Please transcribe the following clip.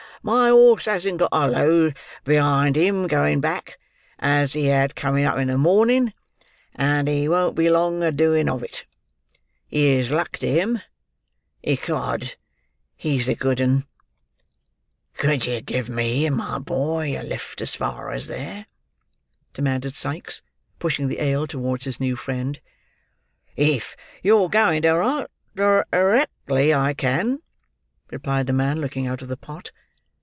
My horse hasn't got a load behind him going back, as he had coming up in the mornin'; and he won't be long a doing of it. Here's luck to him. Ecod! he's a good 'un!" "Could you give my boy and me a lift as far as there?" demanded Sikes, pushing the ale towards his new friend. "If you're going directly, I can," replied the man, looking out of the pot.